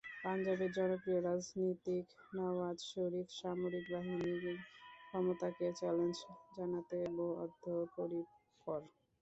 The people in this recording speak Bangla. পাঞ্জাবের জনপ্রিয় রাজনীতিক নওয়াজ শরিফ সামরিক বাহিনীর ক্ষমতাকে চ্যালেঞ্জ জানাতে বদ্ধপরিকর।